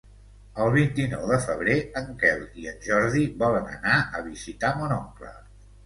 El vint-i-nou de febrer en Quel i en Jordi volen anar a visitar mon oncle.